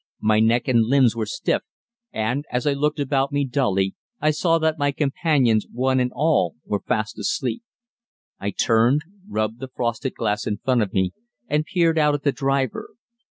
My neck and limbs were stiff, and, as I looked about me dully, I saw that my companions one and all were fast asleep. I turned, rubbed the frosted glass in front of me, and peered out at the driver.